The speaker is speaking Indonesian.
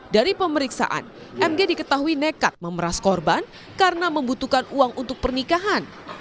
dari pemeriksaan mg diketahui nekat memeras korban karena membutuhkan uang untuk pernikahan